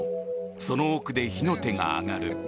その奥で火の手が上がる。